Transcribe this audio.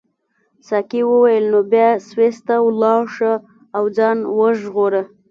ساقي وویل نو بیا سویس ته ولاړ شه او ځان وژغوره.